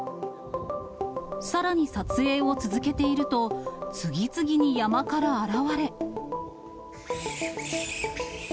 さらに撮影を続けていると、次々に山から現れ。